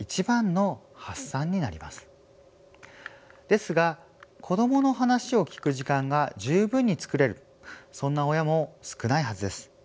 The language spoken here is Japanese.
ですが子どもの話を聞く時間が十分に作れるそんな親も少ないはずです。